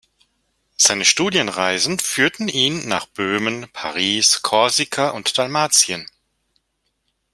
Seine Studienreisen führten ihn nach Böhmen, Paris, Korsika und Dalmatien.